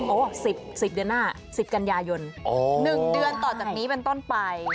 โอ้โฮ๑๐เดือนหน้า๑๐กันยายน